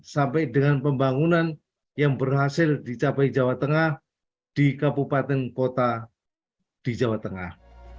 sampai dengan pembangunan yang berhasil dicapai jawa tengah di kabupaten kota di jawa tengah